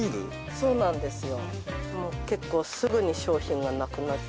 そうなんですよ